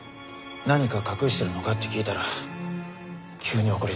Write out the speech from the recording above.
何か隠してるのかって聞いたら急に怒りだして。